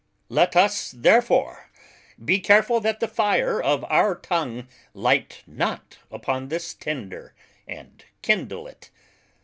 Let us therefore be careful that the Fire of our Tongue light not upon this Tinder, and kindle it.